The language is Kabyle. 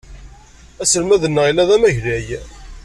Aselmad-nneɣ yella d amaglay.